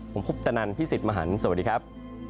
ผมคุปตะนันพี่สิทธิ์มหันฯสวัสดีครับ